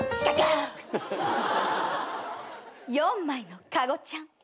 ４枚の加護ちゃん。